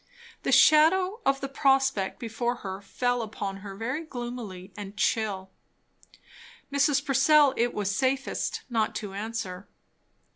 The shadow of the prospect before her fell upon her very gloomily and chill. Mrs. Purcell it was safest not to answer.